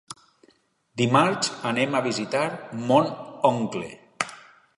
Dimarts anem a visitar mon oncle.